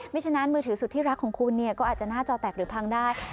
ฉะนั้นมือถือสุดที่รักของคุณเนี่ยก็อาจจะหน้าจอแตกหรือพังได้